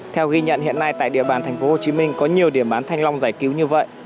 theo ghi nhận hiện nay tại địa bàn thành phố hồ chí minh có nhiều địa bàn thanh long giải cứu như vậy